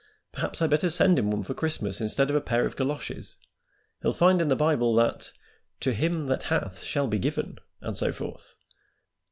Perhaps I'd better send him one for Christmas instead of a pair of galoshes. He'll find in the Bible that 'to him that hath shall be given,' and so forth.